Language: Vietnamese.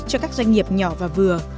cho các doanh nghiệp nhỏ và vừa